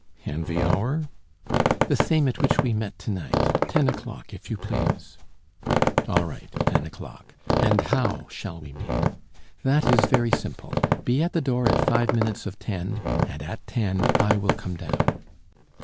"And the hour?" "The same at which we met to night ten o'clock, if you please." "All right; ten o'clock. And how shall we meet?" "That is very simple. Be at the door at five minutes of ten, and at ten I will come down."